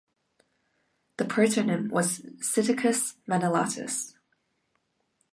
The protonym was "Psittacus manilatus".